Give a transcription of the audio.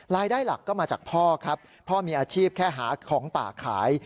รายได้หลักก็มาจากพ่อครับพ่อมีอาชีพแค่หาของป่าขาย